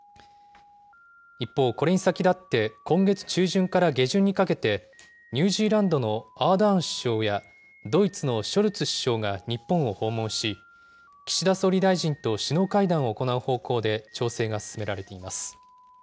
一方、これに先立って、今月中旬から下旬にかけて、ニュージーランドのアーダーン首相や、ドイツのショルツ首相が日本を訪問し、岸田総理大臣と首脳会談を行う方向で調整が進められています。